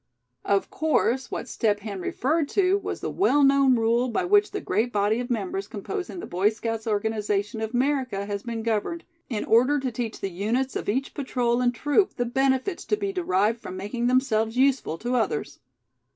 Of course, what Step Hen referred to was the well known rule by which the great body of members composing the Boy Scouts' organization of America has been governed, in order to teach the units of each patrol and troop the benefits to be derived from making themselves useful to others.